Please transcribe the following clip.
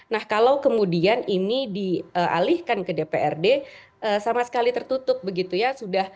nah kalau kemudian ini dialihkan ke dprd sama sekali tertutup begitu ya